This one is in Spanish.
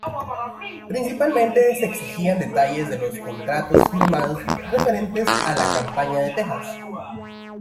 Principalmente se exigían detalles de los contratos firmados referentes a la campaña de Texas.